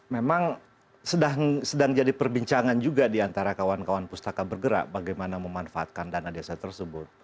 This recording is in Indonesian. memang sedang jadi perbincangan juga diantara kawan kawan pustaka bergerak bagaimana memanfaatkan dana desa tersebut